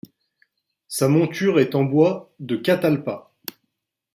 Sa monture est en bois de catalpa.